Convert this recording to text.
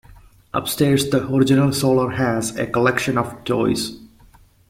Upstairs the original solar has a collection of toys.